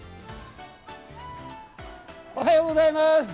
おはようございます。